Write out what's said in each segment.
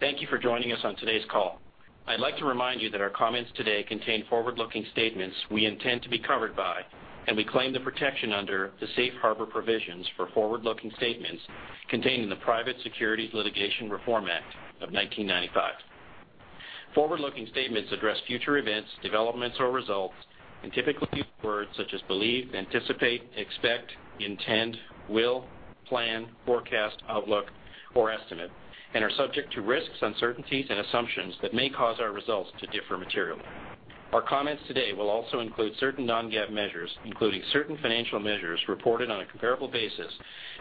Thank you for joining us on today's call. I'd like to remind you that our comments today contain forward-looking statements we intend to be covered by, and we claim the protection under the Safe Harbor provisions for forward-looking statements contained in the Private Securities Litigation Reform Act of 1995. Forward-looking statements address future events, developments, or results and typically use words such as believe, anticipate, expect, intend, will, plan, forecast, outlook, or estimate, and are subject to risks, uncertainties, and assumptions that may cause our results to differ materially. Our comments today will also include certain non-GAAP measures, including certain financial measures reported on a comparable basis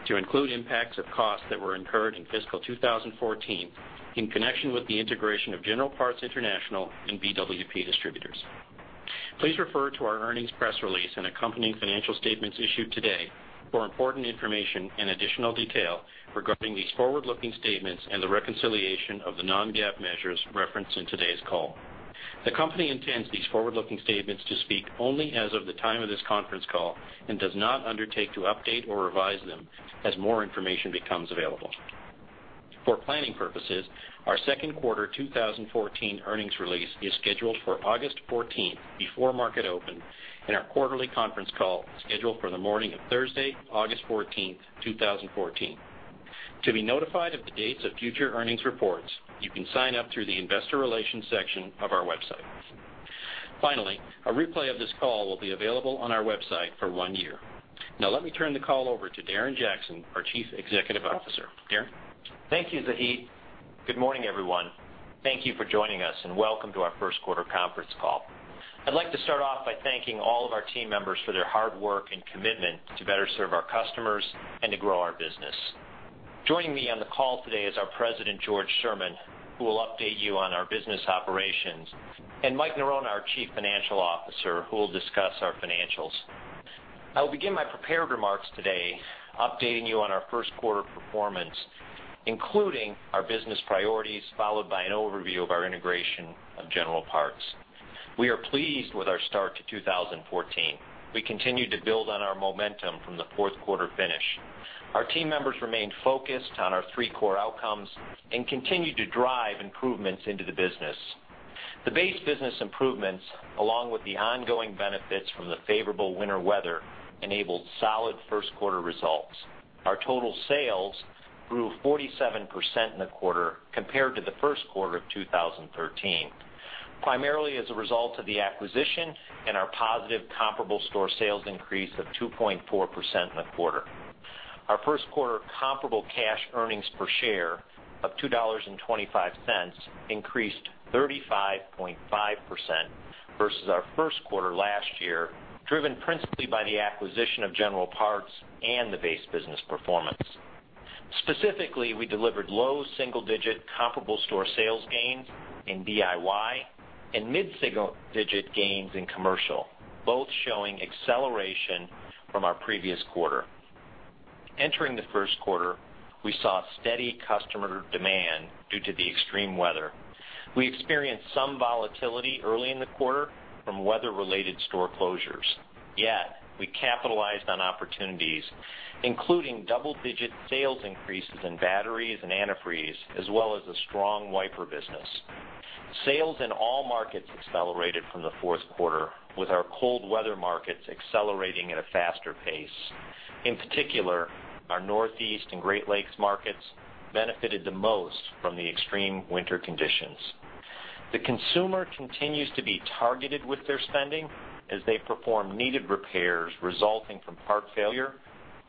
to include impacts of costs that were incurred in fiscal 2014 in connection with the integration of General Parts International and BWP Distributors. Please refer to our earnings press release and accompanying financial statements issued today for important information and additional detail regarding these forward-looking statements and the reconciliation of the non-GAAP measures referenced in today's call. The company intends these forward-looking statements to speak only as of the time of this conference call and does not undertake to update or revise them as more information becomes available. For planning purposes, our second quarter 2014 earnings release is scheduled for August 14th, before market open, and our quarterly conference call is scheduled for the morning of Thursday, August 14th, 2014. To be notified of the dates of future earnings reports, you can sign up through the investor relations section of our website. Finally, a replay of this call will be available on our website for one year. Now, let me turn the call over to Darren Jackson, our Chief Executive Officer. Darren? Thank you, Zahid. Good morning, everyone. Thank you for joining us, and welcome to our first quarter conference call. I'd like to start off by thanking all of our team members for their hard work and commitment to better serve our customers and to grow our business. Joining me on the call today is our President, George Sherman, who will update you on our business operations, and Mike Noroha, our Chief Financial Officer, who will discuss our financials. I will begin my prepared remarks today updating you on our first quarter performance, including our business priorities, followed by an overview of our integration of General Parts. We are pleased with our start to 2014. We continue to build on our momentum from the fourth quarter finish. Our team members remained focused on our three core outcomes and continued to drive improvements into the business. The base business improvements, along with the ongoing benefits from the favorable winter weather, enabled solid first quarter results. Our total sales grew 47% in the quarter compared to the first quarter of 2013, primarily as a result of the acquisition and our positive comparable store sales increase of 2.4% in the quarter. Our first quarter comparable cash earnings per share of $2.25 increased 35.5% versus our first quarter last year, driven principally by the acquisition of General Parts and the base business performance. Specifically, we delivered low single-digit comparable store sales gains in DIY and mid-single-digit gains in commercial, both showing acceleration from our previous quarter. Entering the first quarter, we saw steady customer demand due to the extreme weather. We experienced some volatility early in the quarter from weather-related store closures. We capitalized on opportunities, including double-digit sales increases in batteries and antifreeze, as well as a strong wiper business. Sales in all markets accelerated from the fourth quarter, with our cold weather markets accelerating at a faster pace. In particular, our Northeast and Great Lakes markets benefited the most from the extreme winter conditions. The consumer continues to be targeted with their spending as they perform needed repairs resulting from part failure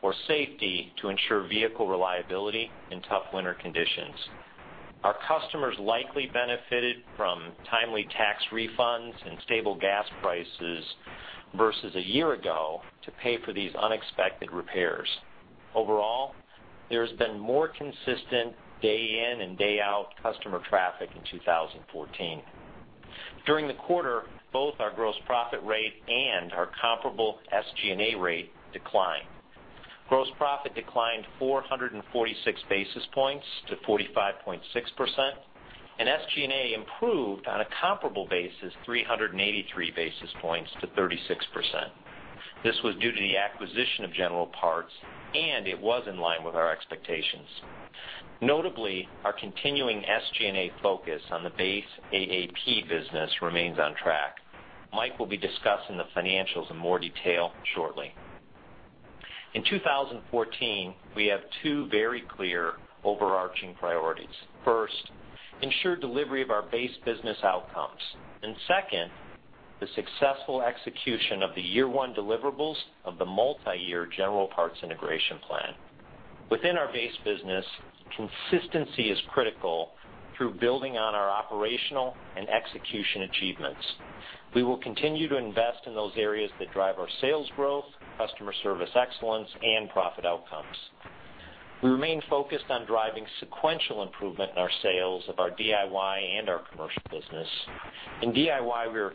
or safety to ensure vehicle reliability in tough winter conditions. Our customers likely benefited from timely tax refunds and stable gas prices versus a year ago to pay for these unexpected repairs. Overall, there's been more consistent day in and day out customer traffic in 2014. During the quarter, both our gross profit rate and our comparable SG&A rate declined. Gross profit declined 446 basis points to 45.6%. SG&A improved on a comparable basis 383 basis points to 36%. This was due to the acquisition of General Parts, it was in line with our expectations. Notably, our continuing SG&A focus on the base AAP business remains on track. Mike will be discussing the financials in more detail shortly. In 2014, we have two very clear overarching priorities. First, ensure delivery of our base business outcomes. Second, the successful execution of the year-one deliverables of the multi-year General Parts integration plan. Within our base business, consistency is critical through building on our operational and execution achievements. We will continue to invest in those areas that drive our sales growth, customer service excellence, and profit outcomes. We remain focused on driving sequential improvement in our sales of our DIY and our commercial business. In DIY, we are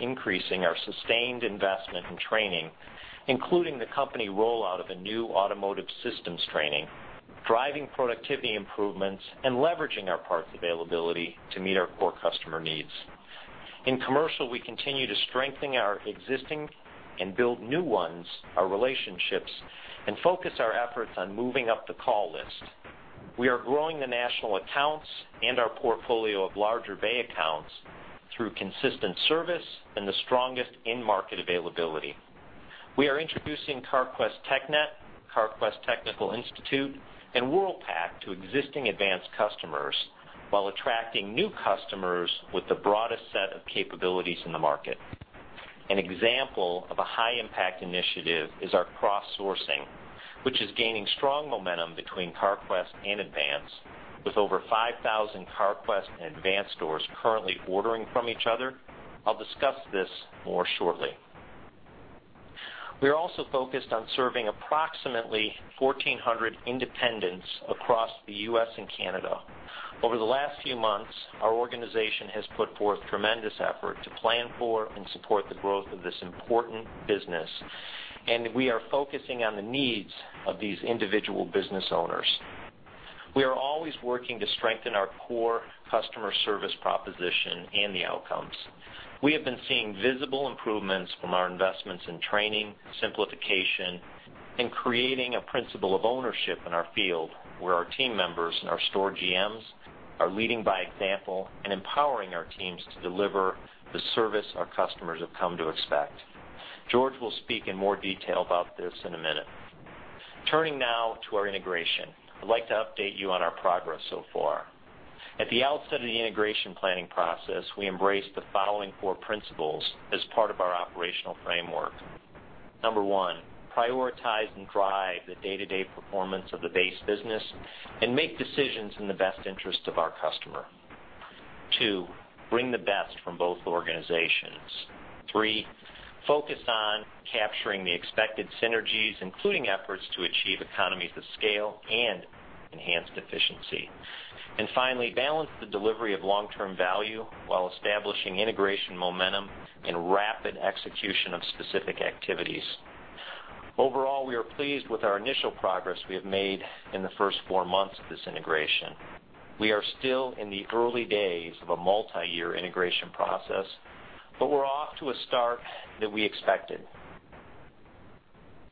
increasing our sustained investment in training, including the company rollout of a new automotive systems training, driving productivity improvements, and leveraging our parts availability to meet our core customer needs. In commercial, we continue to strengthen our existing and build new ones, our relationships, and focus our efforts on moving up the call list. We are growing the national accounts and our portfolio of larger bay accounts through consistent service and the strongest in-market availability. We are introducing Carquest TechNet, Carquest Technical Institute, and Worldpac to existing Advance customers while attracting new customers with the broadest set of capabilities in the market. An example of a high-impact initiative is our cross-sourcing, which is gaining strong momentum between Carquest and Advance, with over 5,000 Carquest and Advance stores currently ordering from each other. I'll discuss this more shortly. We are also focused on serving approximately 1,400 independents across the U.S. and Canada. Over the last few months, our organization has put forth tremendous effort to plan for and support the growth of this important business, we are focusing on the needs of these individual business owners. We are always working to strengthen our core customer service proposition and the outcomes. We have been seeing visible improvements from our investments in training, simplification, and creating a principle of ownership in our field where our team members and our store GMs are leading by example and empowering our teams to deliver the service our customers have come to expect. George will speak in more detail about this in a minute. Turning now to our integration. I'd like to update you on our progress so far. At the outset of the integration planning process, we embraced the following four principles as part of our operational framework. Number one, prioritize and drive the day-to-day performance of the base business and make decisions in the best interest of our customer. Two, bring the best from both organizations. Three, focus on capturing the expected synergies, including efforts to achieve economies of scale and enhanced efficiency. Finally, balance the delivery of long-term value while establishing integration momentum and rapid execution of specific activities. Overall, we are pleased with our initial progress we have made in the first four months of this integration. We are still in the early days of a multi-year integration process, but we're off to a start that we expected.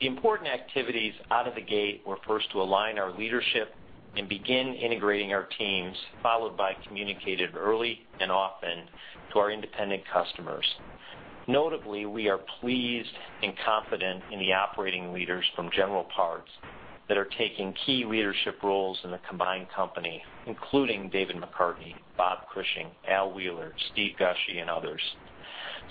The important activities out of the gate were first to align our leadership and begin integrating our teams, followed by communicated early and often to our independent customers. Notably, we are pleased and confident in the operating leaders from General Parts that are taking key leadership roles in the combined company, including David McCartney, Bob Cushing, Al Wheeler, Steve Gushue, and others.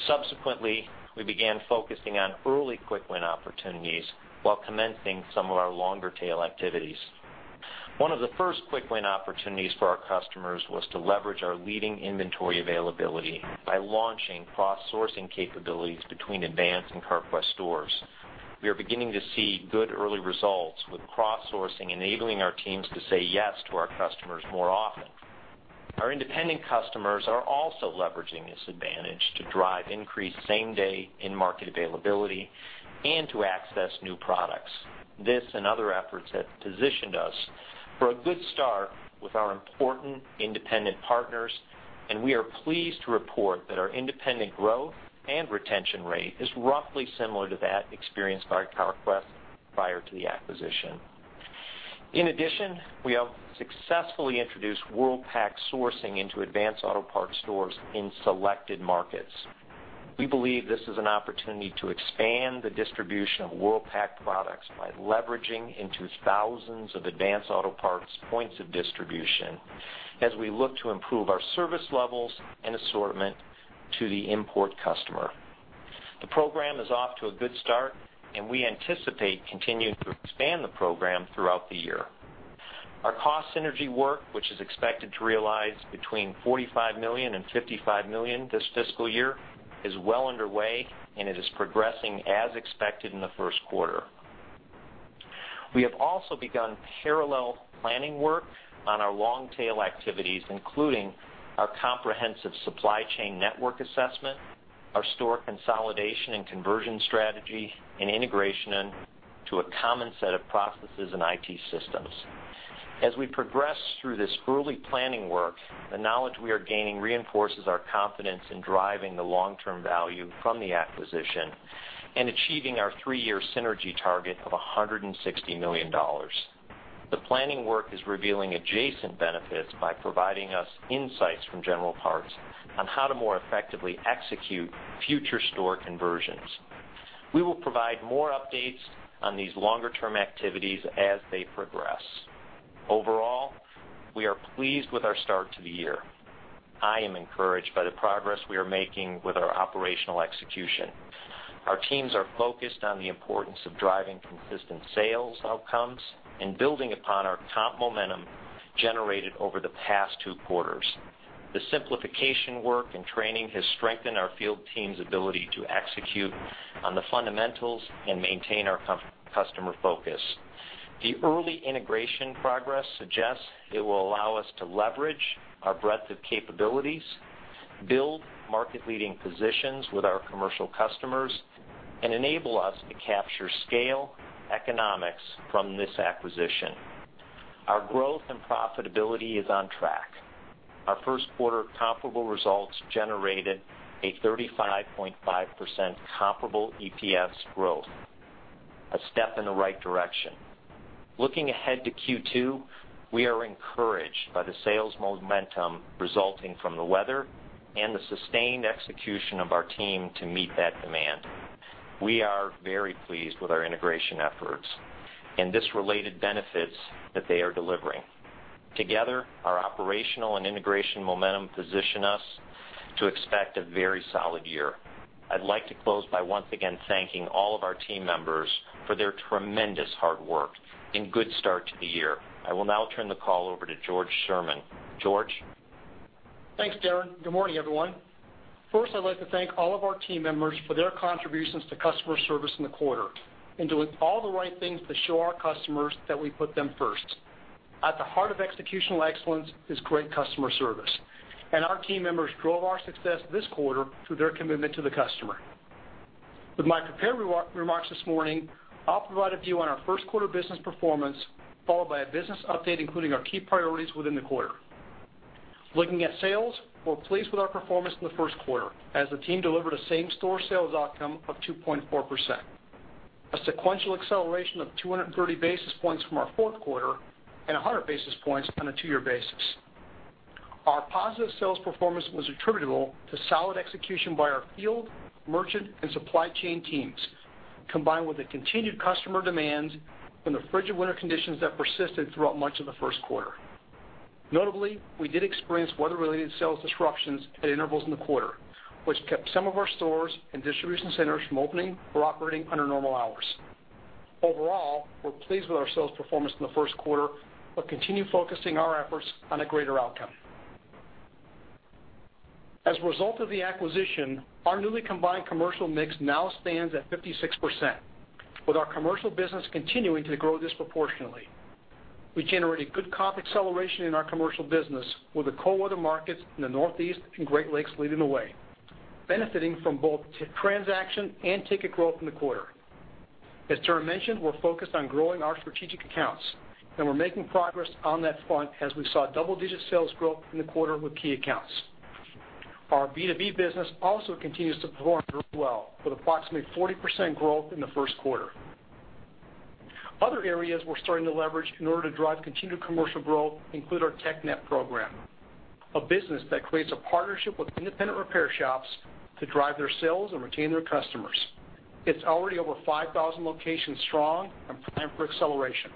Subsequently, we began focusing on early quick-win opportunities while commencing some of our longer-tail activities. One of the first quick-win opportunities for our customers was to leverage our leading inventory availability by launching cross-sourcing capabilities between Advance and Carquest stores. We are beginning to see good early results with cross-sourcing, enabling our teams to say yes to our customers more often. Our independent customers are also leveraging this advantage to drive increased same-day in-market availability and to access new products. This and other efforts have positioned us for a good start with our important independent partners. We are pleased to report that our independent growth and retention rate is roughly similar to that experienced by Carquest prior to the acquisition. In addition, we have successfully introduced Worldpac sourcing into Advance Auto Parts stores in selected markets. We believe this is an opportunity to expand the distribution of Worldpac products by leveraging into thousands of Advance Auto Parts points of distribution as we look to improve our service levels and assortment to the import customer. The program is off to a good start. We anticipate continuing to expand the program throughout the year. Our cost synergy work, which is expected to realize between $45 million and $55 million this fiscal year, is well underway and it is progressing as expected in the first quarter. We have also begun parallel planning work on our long-tail activities, including our comprehensive supply chain network assessment, our store consolidation and conversion strategy, and integration into a common set of processes and IT systems. As we progress through this early planning work, the knowledge we are gaining reinforces our confidence in driving the long-term value from the acquisition and achieving our three-year synergy target of $160 million. The planning work is revealing adjacent benefits by providing us insights from General Parts on how to more effectively execute future store conversions. We will provide more updates on these longer-term activities as they progress. Overall, we are pleased with our start to the year. I am encouraged by the progress we are making with our operational execution. Our teams are focused on the importance of driving consistent sales outcomes and building upon our comp momentum generated over the past two quarters. The simplification work and training has strengthened our field team's ability to execute on the fundamentals and maintain our customer focus. The early integration progress suggests it will allow us to leverage our breadth of capabilities, build market-leading positions with our commercial customers, and enable us to capture scale economics from this acquisition. Our growth and profitability is on track. Our first quarter comparable results generated a 35.5% comparable EPS growth, a step in the right direction. Looking ahead to Q2, we are encouraged by the sales momentum resulting from the weather and the sustained execution of our team to meet that demand. We are very pleased with our integration efforts and this related benefits that they are delivering. Together, our operational and integration momentum position us to expect a very solid year. I'd like to close by once again thanking all of our team members for their tremendous hard work and good start to the year. I will now turn the call over to George Sherman. George? Thanks, Darren. Good morning, everyone. First, I'd like to thank all of our team members for their contributions to customer service in the quarter, and doing all the right things to show our customers that we put them first. At the heart of executional excellence is great customer service, and our team members drove our success this quarter through their commitment to the customer. With my prepared remarks this morning, I'll provide a view on our first quarter business performance, followed by a business update, including our key priorities within the quarter. Looking at sales, we're pleased with our performance in the first quarter as the team delivered a same-store sales outcome of 2.4%, a sequential acceleration of 230 basis points from our fourth quarter and 100 basis points on a two-year basis. Our positive sales performance was attributable to solid execution by our field, merchant, and supply chain teams, combined with the continued customer demands from the frigid winter conditions that persisted throughout much of the first quarter. Notably, we did experience weather-related sales disruptions at intervals in the quarter, which kept some of our stores and distribution centers from opening or operating under normal hours. Overall, we're pleased with our sales performance in the first quarter, but continue focusing our efforts on a greater outcome. As a result of the acquisition, our newly combined commercial mix now stands at 56%, with our commercial business continuing to grow disproportionately. We generated good comp acceleration in our commercial business with the cold weather markets in the Northeast and Great Lakes leading the way, benefiting from both transaction and ticket growth in the quarter. As Darren mentioned, we're focused on growing our strategic accounts, and we're making progress on that front as we saw double-digit sales growth in the quarter with key accounts. Our B2B business also continues to perform very well, with approximately 40% growth in the first quarter. Other areas we're starting to leverage in order to drive continued commercial growth include our TechNet program, a business that creates a partnership with independent repair shops to drive their sales and retain their customers. It's already over 5,000 locations strong and primed for acceleration.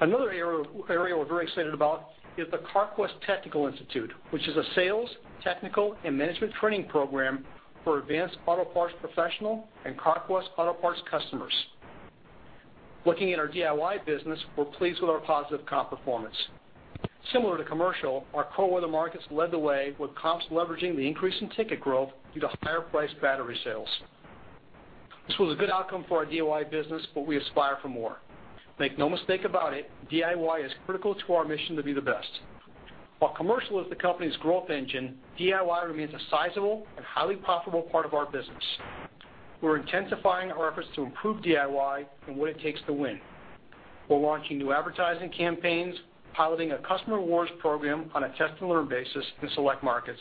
Another area we're very excited about is the Carquest Technical Institute, which is a sales, technical, and management training program for Advance Auto Parts professional and Carquest Auto Parts customers. Looking at our DIY business, we're pleased with our positive comp performance. Similar to commercial, our cold weather markets led the way with comps leveraging the increase in ticket growth due to higher priced battery sales. This was a good outcome for our DIY business, but we aspire for more. Make no mistake about it, DIY is critical to our mission to be the best. While commercial is the company's growth engine, DIY remains a sizable and highly profitable part of our business. We're intensifying our efforts to improve DIY and what it takes to win. We're launching new advertising campaigns, piloting a customer rewards program on a test and learn basis in select markets,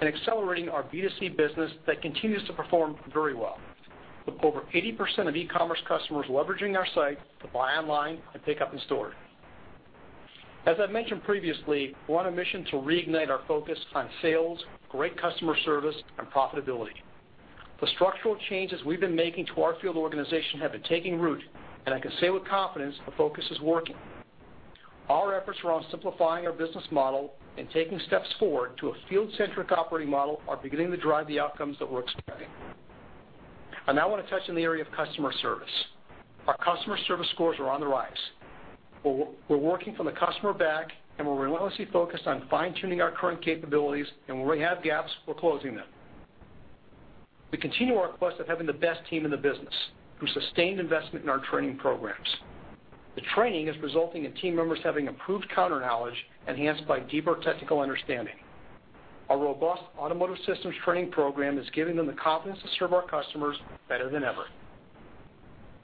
and accelerating our B2C business that continues to perform very well, with over 80% of e-commerce customers leveraging our site to buy online and pick up in store. As I've mentioned previously, we're on a mission to reignite our focus on sales, great customer service, and profitability. The structural changes we've been making to our field organization have been taking root, and I can say with confidence the focus is working. Our efforts around simplifying our business model and taking steps forward to a field-centric operating model are beginning to drive the outcomes that we're expecting. I now want to touch on the area of customer service. Our customer service scores are on the rise. We're working from the customer back, and we're relentlessly focused on fine-tuning our current capabilities, and where we have gaps, we're closing them. We continue our quest of having the best team in the business through sustained investment in our training programs. The training is resulting in team members having improved counter knowledge enhanced by deeper technical understanding. Our robust automotive systems training program is giving them the confidence to serve our customers better than ever.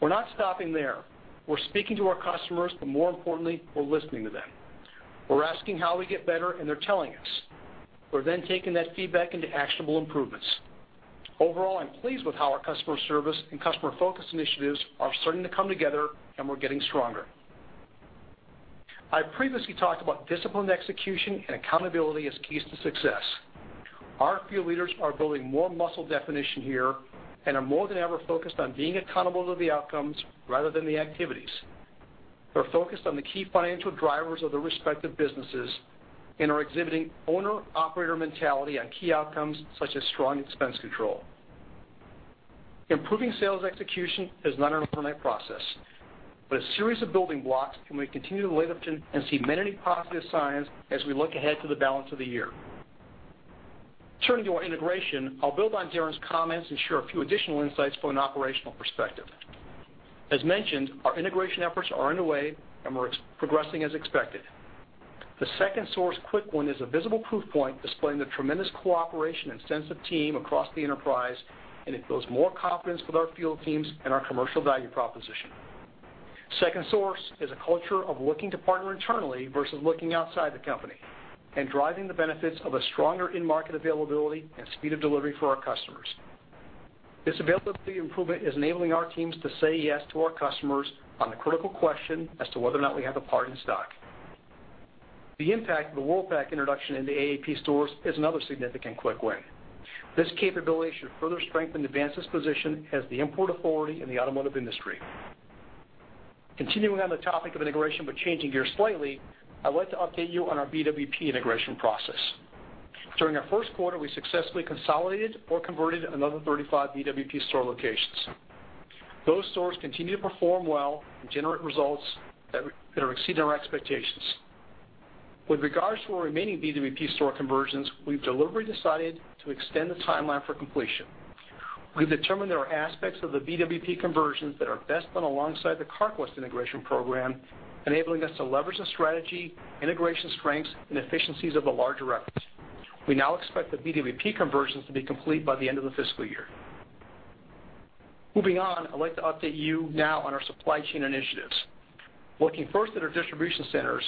We're not stopping there. We're speaking to our customers, but more importantly, we're listening to them. We're asking how we get better, and they're telling us. We're then taking that feedback into actionable improvements. Overall, I'm pleased with how our customer service and customer focus initiatives are starting to come together and we're getting stronger. I previously talked about disciplined execution and accountability as keys to success. Our field leaders are building more muscle definition here and are more than ever focused on being accountable to the outcomes rather than the activities. They're focused on the key financial drivers of their respective businesses and are exhibiting owner/operator mentality on key outcomes such as strong expense control. Improving sales execution is not an overnight process, but a series of building blocks, and we continue to lay them and see many positive signs as we look ahead to the balance of the year. Turning to our integration, I'll build onv Darren's comments and share a few additional insights from an operational perspective. As mentioned, our integration efforts are underway, and we're progressing as expected. The second source quick win is a visible proof point displaying the tremendous cooperation and sense of team across the enterprise, and it builds more confidence with our field teams and our commercial value proposition. Second source is a culture of looking to partner internally versus looking outside the company and driving the benefits of a stronger in-market availability and speed of delivery for our customers. This availability improvement is enabling our teams to say yes to our customers on the critical question as to whether or not we have the part in stock. The impact of the Worldpac introduction into AAP stores is another significant quick win. This capability should further strengthen Advance's position as the import authority in the automotive industry. Continuing on the topic of integration, changing gears slightly, I'd like to update you on our BWP integration process. During our first quarter, we successfully consolidated or converted another 35 BWP store locations. Those stores continue to perform well and generate results that are exceeding our expectations. With regards to our remaining BWP store conversions, we've deliberately decided to extend the timeline for completion. We've determined there are aspects of the BWP conversions that are best done alongside the Carquest integration program, enabling us to leverage the strategy, integration strengths, and efficiencies of the larger records. We now expect the BWP conversions to be complete by the end of the fiscal year. Moving on, I'd like to update you now on our supply chain initiatives. Looking first at our distribution centers,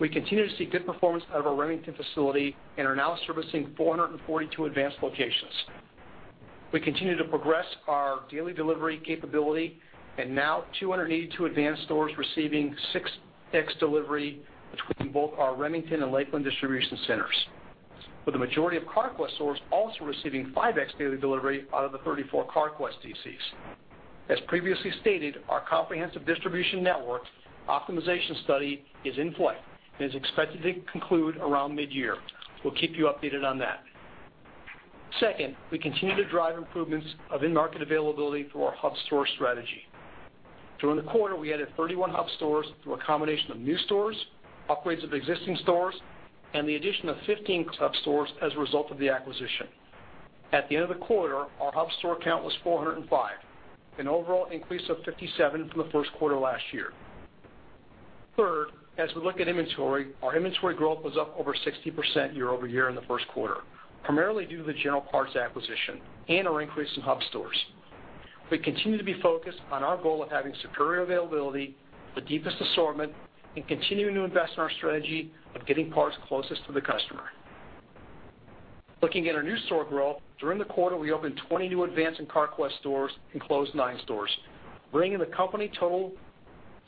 we continue to see good performance out of our Remington facility and are now servicing 442 Advance locations. We continue to progress our daily delivery capability and now 282 Advance stores receiving 6X delivery between both our Remington and Lakeland distribution centers, with the majority of Carquest stores also receiving 5X daily delivery out of the 34 Carquest DCs. As previously stated, our comprehensive distribution network optimization study is in play and is expected to conclude around mid-year. We'll keep you updated on that. Second, we continue to drive improvements of in-market availability through our hub store strategy. During the quarter, we added 31 hub stores through a combination of new stores, upgrades of existing stores, and the addition of 15 hub stores as a result of the acquisition. At the end of the quarter, our hub store count was 405, an overall increase of 57 from the first quarter last year. Third, as we look at inventory, our inventory growth was up over 60% year-over-year in the first quarter, primarily due to the General Parts acquisition and our increase in hub stores. We continue to be focused on our goal of having superior availability, the deepest assortment, and continuing to invest in our strategy of getting parts closest to the customer. Looking at our new store growth, during the quarter, we opened 20 new Advance and Carquest stores and closed nine stores, bringing the company total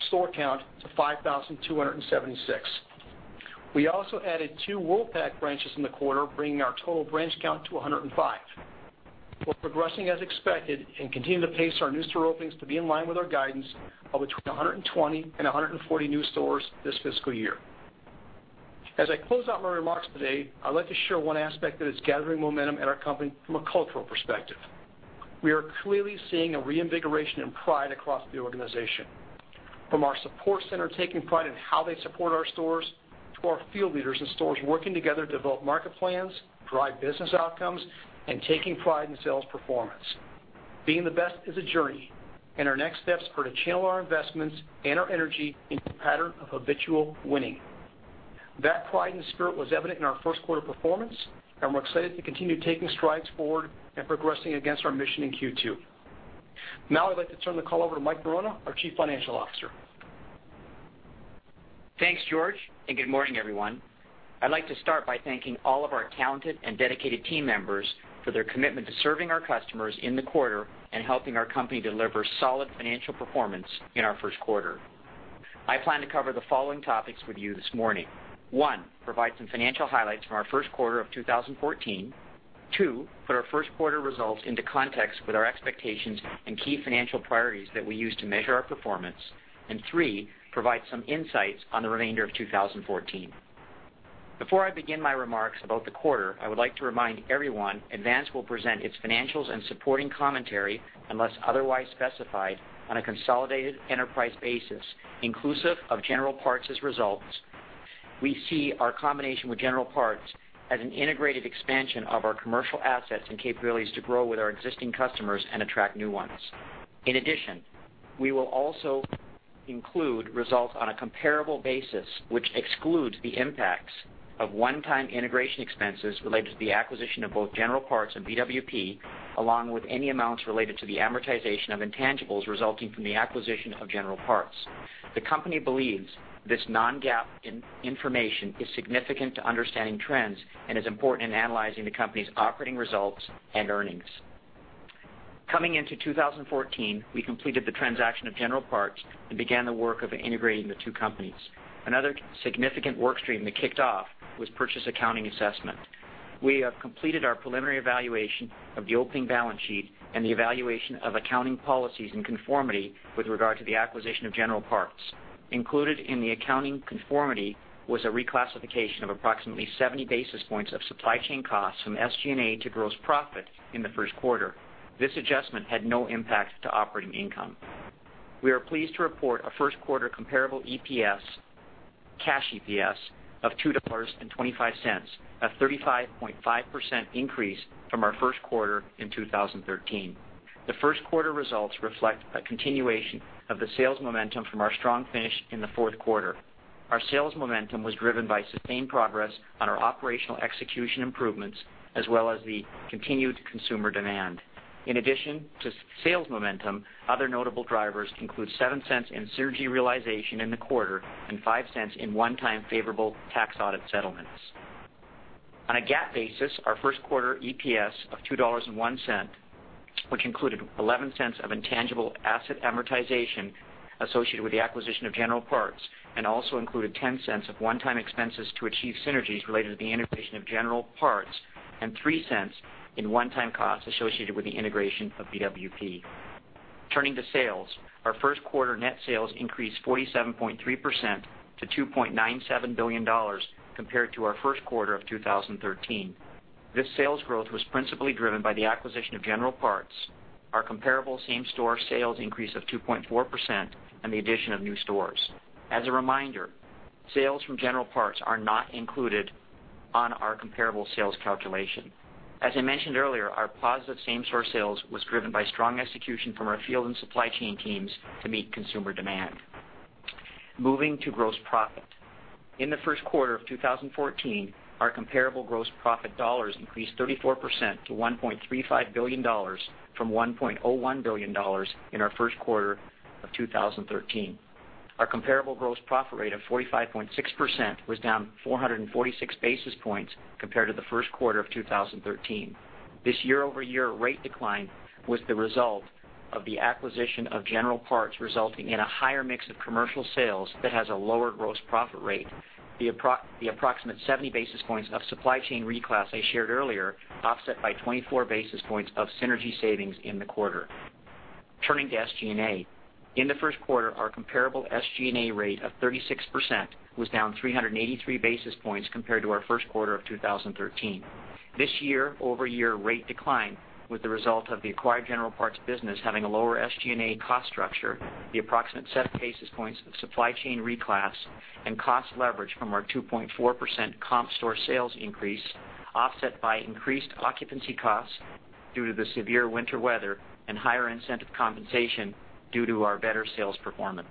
store count to 5,276. We also added two Worldpac branches in the quarter, bringing our total branch count to 105. We're progressing as expected and continue to pace our new store openings to be in line with our guidance of between 120 and 140 new stores this fiscal year. As I close out my remarks today, I'd like to share one aspect that is gathering momentum at our company from a cultural perspective. We are clearly seeing a reinvigoration and pride across the organization. From our support center taking pride in how they support our stores to our field leaders in stores working together to develop market plans, drive business outcomes, and taking pride in sales performance. Being the best is a journey, and our next steps are to channel our investments and our energy into a pattern of habitual winning. That pride and spirit was evident in our first quarter performance, and we're excited to continue taking strides forward and progressing against our mission in Q2. I'd like to turn the call over to Mike Norona, our Chief Financial Officer. Thanks, George. Good morning, everyone. I'd like to start by thanking all of our talented and dedicated team members for their commitment to serving our customers in the quarter and helping our company deliver solid financial performance in our first quarter. I plan to cover the following topics with you this morning. One, provide some financial highlights from our first quarter of 2014. Two, put our first quarter results into context with our expectations and key financial priorities that we use to measure our performance. Three, provide some insights on the remainder of 2014. Before I begin my remarks about the quarter, I would like to remind everyone Advance will present its financials and supporting commentary unless otherwise specified on a consolidated enterprise basis, inclusive of General Parts' results. We see our combination with General Parts as an integrated expansion of our commercial assets and capabilities to grow with our existing customers and attract new ones. In addition, we will also include results on a comparable basis, which excludes the impacts of one-time integration expenses related to the acquisition of both General Parts and BWP, along with any amounts related to the amortization of intangibles resulting from the acquisition of General Parts. The company believes this non-GAAP information is significant to understanding trends and is important in analyzing the company's operating results and earnings. Coming into 2014, we completed the transaction of General Parts and began the work of integrating the two companies. Another significant work stream that kicked off was purchase accounting assessment. We have completed our preliminary evaluation of the opening balance sheet and the evaluation of accounting policies and conformity with regard to the acquisition of General Parts. Included in the accounting conformity was a reclassification of approximately 70 basis points of supply chain costs from SG&A to gross profit in the first quarter. This adjustment had no impact to operating income. We are pleased to report a first quarter comparable cash EPS of $2.25, a 35.5% increase from our first quarter in 2013. The first quarter results reflect a continuation of the sales momentum from our strong finish in the fourth quarter. Our sales momentum was driven by sustained progress on our operational execution improvements, as well as the continued consumer demand. In addition to sales momentum, other notable drivers include $0.07 in synergy realization in the quarter and $0.05 in one-time favorable tax audit settlements. On a GAAP basis, our first quarter EPS of $2.01, which included $0.11 of intangible asset amortization associated with the acquisition of General Parts, also included $0.10 of one-time expenses to achieve synergies related to the integration of General Parts and $0.03 in one-time costs associated with the integration of BWP. Turning to sales, our first quarter net sales increased 47.3% to $2.97 billion compared to our first quarter of 2013. This sales growth was principally driven by the acquisition of General Parts, our comparable same-store sales increase of 2.4%, the addition of new stores. As a reminder, sales from General Parts are not included on our comparable sales calculation. As I mentioned earlier, our positive same-store sales was driven by strong execution from our field and supply chain teams to meet consumer demand. Moving to gross profit. In the first quarter of 2014, our comparable gross profit dollars increased 34% to $1.35 billion from $1.01 billion in our first quarter of 2013. Our comparable gross profit rate of 45.6% was down 446 basis points compared to the first quarter of 2013. This year-over-year rate decline was the result of the acquisition of General Parts, resulting in a higher mix of commercial sales that has a lower gross profit rate. The approximate 70 basis points of supply chain reclass I shared earlier, offset by 24 basis points of synergy savings in the quarter. Turning to SG&A. In the first quarter, our comparable SG&A rate of 36% was down 383 basis points compared to our first quarter of 2013. This year-over-year rate decline was the result of the acquired General Parts business having a lower SG&A cost structure, the approximate 7 basis points of supply chain reclass, cost leverage from our 2.4% comp store sales increase, offset by increased occupancy costs due to the severe winter weather and higher incentive compensation due to our better sales performance.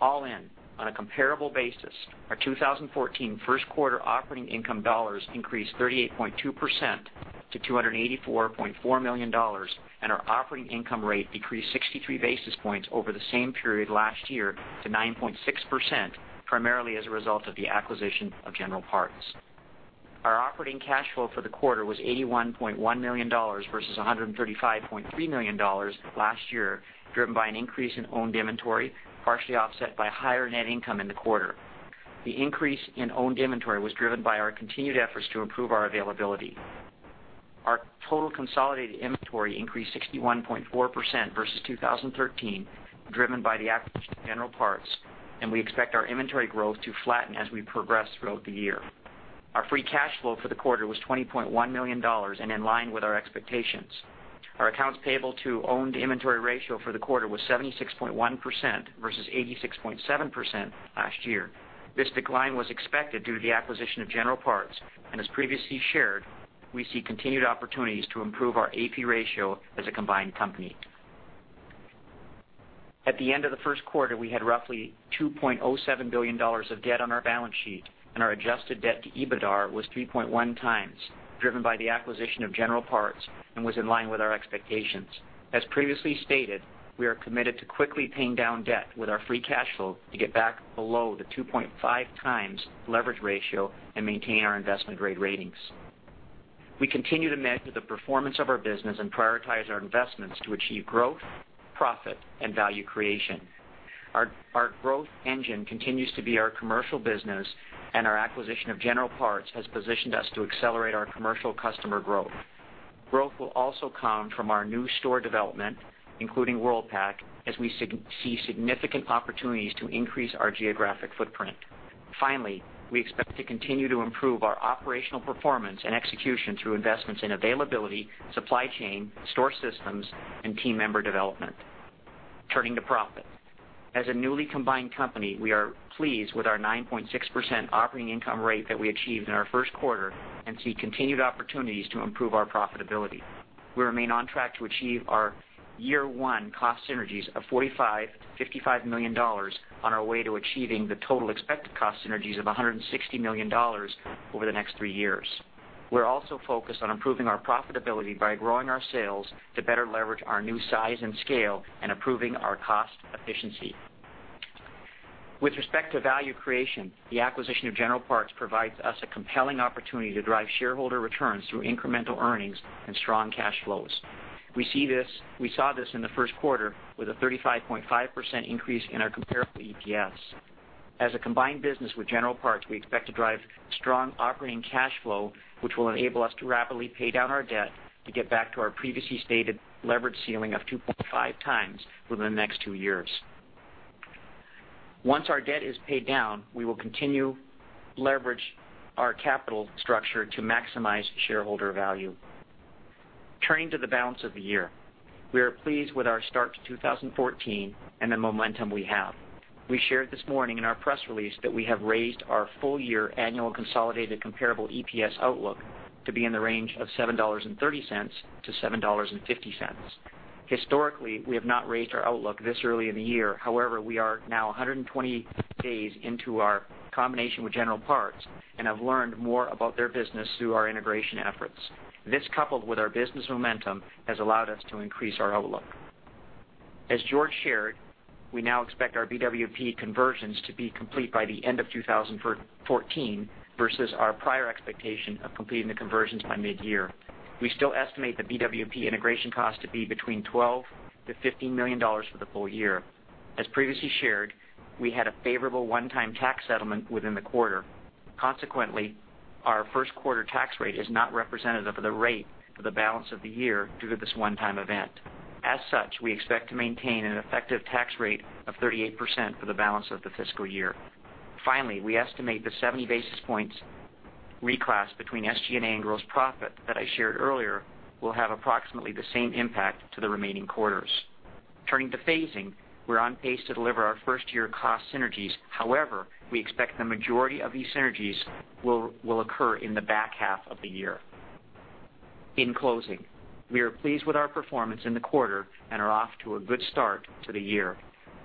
All in, on a comparable basis, our 2014 first quarter operating income dollars increased 38.2% to $284.4 million, our operating income rate decreased 63 basis points over the same period last year to 9.6%, primarily as a result of the acquisition of General Parts. Our operating cash flow for the quarter was $81.1 million versus $135.3 million last year, driven by an increase in owned inventory, partially offset by higher net income in the quarter. The increase in owned inventory was driven by our continued efforts to improve our availability. Our total consolidated inventory increased 61.4% versus 2013, driven by the acquisition of General Parts, and we expect our inventory growth to flatten as we progress throughout the year. Our free cash flow for the quarter was $20.1 million and in line with our expectations. Our accounts payable to owned inventory ratio for the quarter was 76.1% versus 86.7% last year. This decline was expected due to the acquisition of General Parts, and as previously shared, we see continued opportunities to improve our AP ratio as a combined company. At the end of the first quarter, we had roughly $2.07 billion of debt on our balance sheet, and our adjusted debt to EBITDAR was 3.1 times, driven by the acquisition of General Parts and was in line with our expectations. As previously stated, we are committed to quickly paying down debt with our free cash flow to get back below the 2.5 times leverage ratio and maintain our investment-grade ratings. We continue to measure the performance of our business and prioritize our investments to achieve growth, profit, and value creation. Our growth engine continues to be our commercial business, and our acquisition of General Parts has positioned us to accelerate our commercial customer growth. Growth will also come from our new store development, including Worldpac, as we see significant opportunities to increase our geographic footprint. Finally, we expect to continue to improve our operational performance and execution through investments in availability, supply chain, store systems, and team member development. Turning to profit. As a newly combined company, we are pleased with our 9.6% operating income rate that we achieved in our first quarter and see continued opportunities to improve our profitability. We remain on track to achieve our year one cost synergies of $45 million to $55 million on our way to achieving the total expected cost synergies of $160 million over the next three years. We are also focused on improving our profitability by growing our sales to better leverage our new size and scale and improving our cost efficiency. With respect to value creation, the acquisition of General Parts provides us a compelling opportunity to drive shareholder returns through incremental earnings and strong cash flows. We saw this in the first quarter with a 35.5% increase in our comparable EPS. As a combined business with General Parts, we expect to drive strong operating cash flow, which will enable us to rapidly pay down our debt to get back to our previously stated leverage ceiling of 2.5 times within the next two years. Once our debt is paid down, we will continue to leverage our capital structure to maximize shareholder value. Turning to the balance of the year. We are pleased with our start to 2014 and the momentum we have. We shared this morning in our press release that we have raised our full-year annual consolidated comparable EPS outlook to be in the range of $7.30 to $7.50. Historically, we have not raised our outlook this early in the year. However, we are now 120 days into our combination with General Parts and have learned more about their business through our integration efforts. This, coupled with our business momentum, has allowed us to increase our outlook. As George shared, we now expect our BWP conversions to be complete by the end of 2014 versus our prior expectation of completing the conversions by mid-year. We still estimate the BWP integration cost to be between $12 million-$15 million for the full year. As previously shared, we had a favorable one-time tax settlement within the quarter. Consequently, our first quarter tax rate is not representative of the rate for the balance of the year due to this one-time event. As such, we expect to maintain an effective tax rate of 38% for the balance of the fiscal year. Finally, we estimate the 70 basis points reclass between SG&A and gross profit that I shared earlier will have approximately the same impact to the remaining quarters. Turning to phasing, we're on pace to deliver our first-year cost synergies. We expect the majority of these synergies will occur in the back half of the year. In closing, we are pleased with our performance in the quarter and are off to a good start to the year.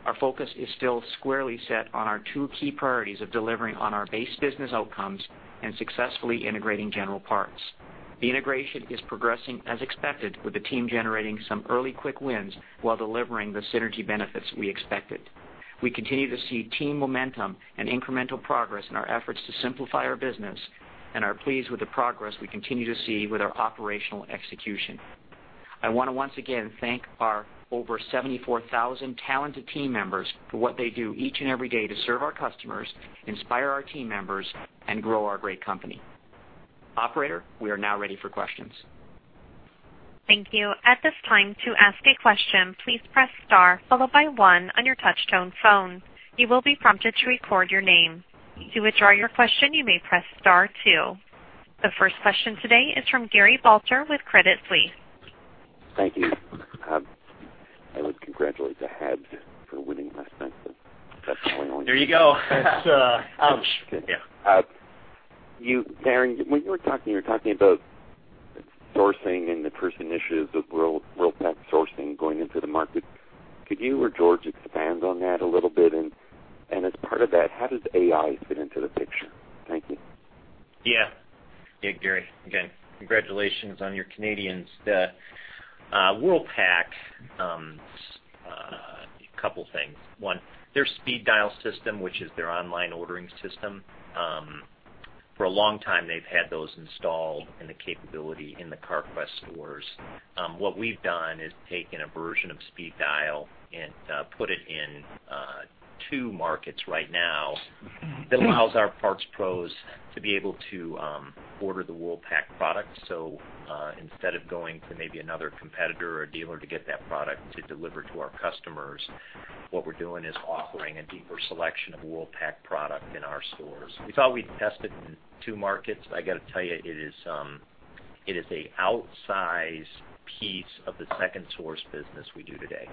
Our focus is still squarely set on our two key priorities of delivering on our base business outcomes and successfully integrating General Parts. The integration is progressing as expected, with the team generating some early quick wins while delivering the synergy benefits we expected. We continue to see team momentum and incremental progress in our efforts to simplify our business and are pleased with the progress we continue to see with our operational execution. I want to once again thank our over 74,000 talented team members for what they do each and every day to serve our customers, inspire our team members, and grow our great company. Operator, we are now ready for questions. Thank you. At this time, to ask a question, please press star followed by one on your touch-tone phone. You will be prompted to record your name. To withdraw your question, you may press star two. The first question today is from Gary Balter with Credit Suisse. Thank you. I would congratulate the Habs for winning last night. There you go. Darren, when you were talking, you were talking about sourcing and the first initiatives of Worldpac sourcing going into the market. Could you or George expand on that a little bit? As part of that, how does AI fit into the picture? Thank you. Yeah. Yeah, Gary. Again, congratulations on your Canadians. Worldpac, a couple of things. One, their speedDIAL system, which is their online ordering system. For a long time, they've had those installed and the capability in the Carquest stores. What we've done is taken a version of speedDIAL and put it in two markets right now that allows our parts pros to be able to order the Worldpac product. Instead of going to maybe another competitor or dealer to get that product to deliver to our customers, what we're doing is offering a deeper selection of Worldpac product in our stores. We thought we'd test it in two markets. I got to tell you, it is a outsized piece of the second source business we do today.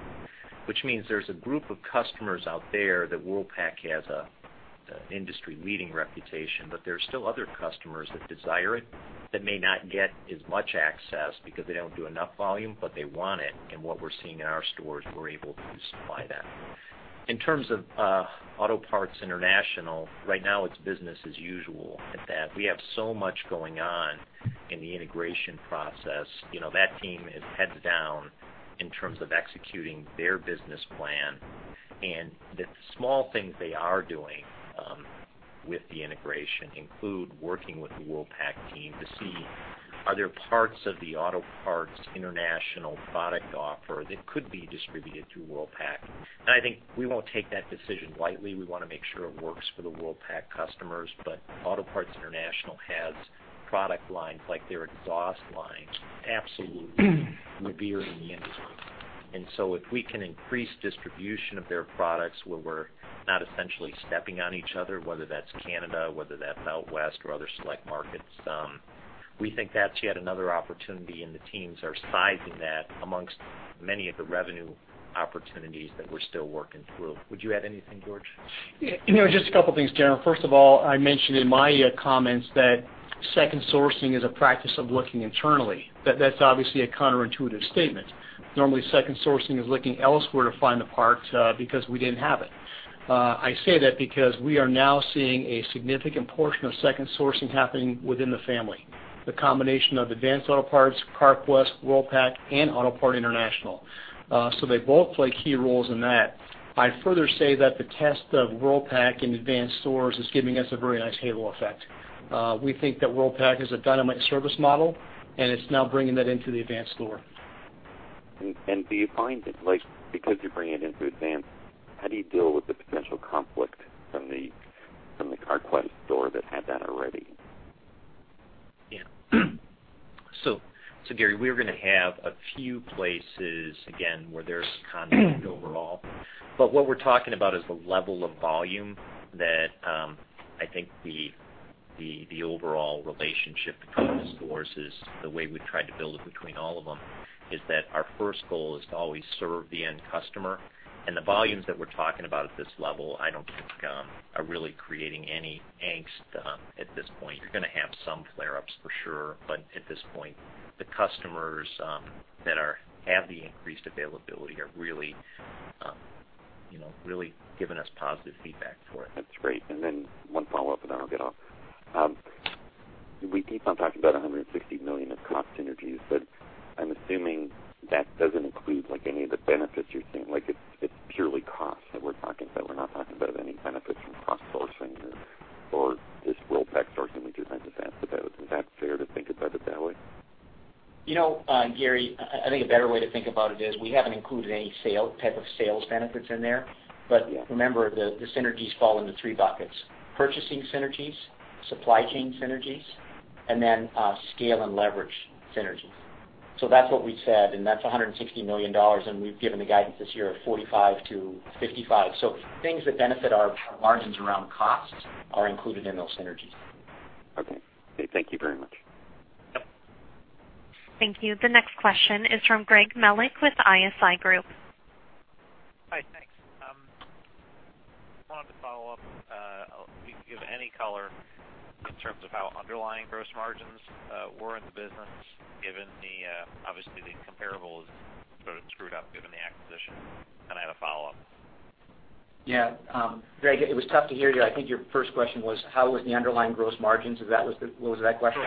There is a group of customers out there that Worldpac has an industry-leading reputation, but there is still other customers that desire it that may not get as much access because they don't do enough volume, but they want it. What we're seeing in our stores, we're able to supply that. In terms of Autopart International, right now it's business as usual at that. We have so much going on in the integration process. That team is heads down in terms of executing their business plan. The small things they are doing with the integration include working with the Worldpac team to see, are there parts of the Autopart International product offer that could be distributed through Worldpac? I think we won't take that decision lightly. We want to make sure it works for the Worldpac customers. Autopart International has product lines like their exhaust lines, absolutely revered in the industry. If we can increase distribution of their products where we're not essentially stepping on each other, whether that's Canada, whether that's out West or other select markets, we think that's yet another opportunity, and the teams are sizing that amongst many of the revenue opportunities that we're still working through. Would you add anything, George? Just a couple of things, Darren. First of all, I mentioned in my comments that second sourcing is a practice of looking internally. That's obviously a counterintuitive statement. Normally, second sourcing is looking elsewhere to find the parts because we didn't have it. I say that because we are now seeing a significant portion of second sourcing happening within the family. The combination of Advance Auto Parts, Carquest, Worldpac, and Autopart International. They both play key roles in that. I'd further say that the test of Worldpac in Advance stores is giving us a very nice halo effect. We think that Worldpac is a dynamite service model, and it's now bringing that into the Advance store. Do you find that because you're bringing it into Advance, how do you deal with the potential conflict from the Carquest store that had that already? Yeah. Gary, we're going to have a few places, again, where there's conflict overall. What we're talking about is the level of volume that I think the overall relationship between the stores is the way we've tried to build it between all of them, is that our first goal is to always serve the end customer. The volumes that we're talking about at this level, I don't think are really creating any angst at this point. You're going to have some flare-ups for sure. At this point, the customers that have the increased availability are really given us positive feedback for it. That's great. Then one follow-up and then I'll get off. We keep on talking about $160 million of cost synergies, I'm assuming that doesn't include any of the benefits you're seeing. It's purely cost that we're talking about. We're not talking about any benefit from cross-sourcing or this Worldpac sourcing we just had to ask about. Is that fair to think about it that way? Gary, I think a better way to think about it is we haven't included any type of sales benefits in there. Remember, the synergies fall into three buckets, purchasing synergies, supply chain synergies, and then scale and leverage synergies. That's what we said, and that's $160 million, and we've given the guidance this year of 45-55. Things that benefit our margins around costs are included in those synergies. Okay. Thank you very much. Yep. Thank you. The next question is from Greg Melich with Evercore ISI. Hi, thanks. I wanted to follow up. If you could give any color in terms of how underlying gross margins were in the business, given the comparables sort of screwed up given the acquisition. I have a follow-up. Yeah. Greg, it was tough to hear you. I think your first question was, how was the underlying gross margins? Was that the question?